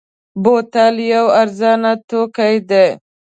بوتل یو ارزانه توکی دی.